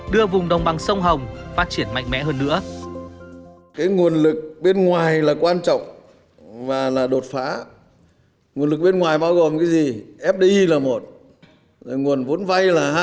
đưa vùng đồng bằng sông hồng phát triển mạnh mẽ hơn nữa